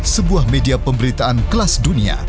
sebuah media pemberitaan kelas dunia